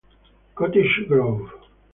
Cottage Grove